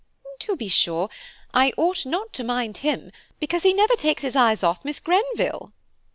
"To be sure, I ought not to mind him, because he never takes his eyes off Miss Greenville."